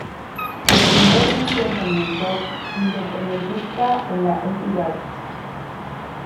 El primer enfrentamiento independentista en la entidad.